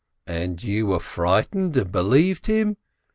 "And you were frightened and believed him?